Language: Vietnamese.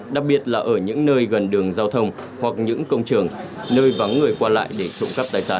đặc biệt là ở những nơi gần đường giao thông hoặc những công trường nơi vắng người qua lại để trụng